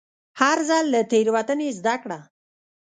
هر ځل له تېروتنې زده کړه.